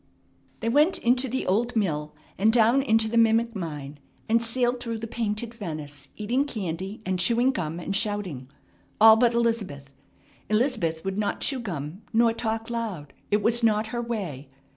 They went into the Old Mill, and down into the Mimic Mine, and sailed through the painted Venice, eating candy and chewing gum and shouting. All but Elizabeth. Elizabeth would not chew gum nor talk loud. It was not her way.